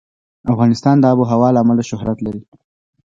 افغانستان د آب وهوا له امله شهرت لري.